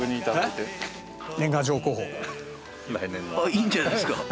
いいんじゃないですか？